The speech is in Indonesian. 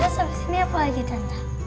terus habis ini apa lagi tante